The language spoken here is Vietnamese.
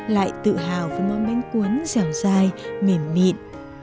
lại tự hào với món bánh cuốn dẻo dai mềm mịn